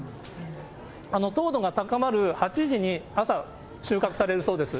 糖度が高まる８時に、朝収穫されるそうです。